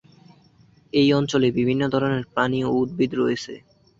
এই অঞ্চলে বিভিন্ন ধরনের প্রাণী ও উদ্ভিদ রয়েছে।